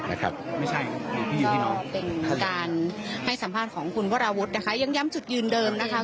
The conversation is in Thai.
ไม่ใช่ครับเป็นการให้สัมภาษณ์ของคุณวราวุฒินะคะยังย้ำจุดยืนเดิมนะคะ